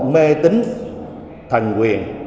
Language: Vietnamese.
mê tín thần quyền